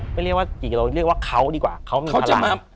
เรียกว่ากี่เราเรียกว่าเขาดีกว่าเขาจะมา